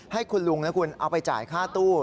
ให้คุณลุงนะคุณเอาไปจ่ายค่าตู้